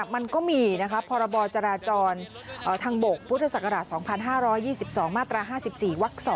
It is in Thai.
มันก็มีนะครับพจราจรทางโบกพศ๒๕๒๒มาตรา๕๔ว๒